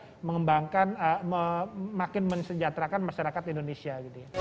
untuk mengembangkan makin mensejaterakan masyarakat indonesia